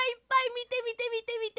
みてみてみてみて！